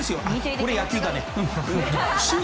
これは野球だね。